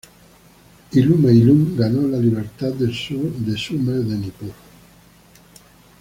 Iluma-ilum ganó la libertad de sur de Sumer de Nippur.